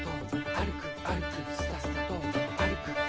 「あるくあるくスタスタと」